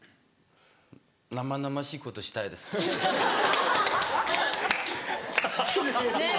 生々しいことしたいです。ねぇ。